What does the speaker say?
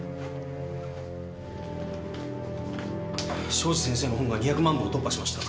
庄司先生の本が２００万部を突破しました。